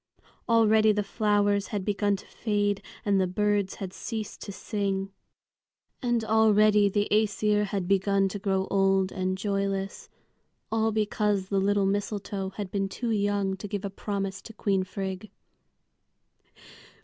Already the flowers had begun to fade and the birds had ceased to sing. And already the Æsir had begun to grow old and joyless, all because the little mistletoe had been too young to give a promise to Queen Frigg.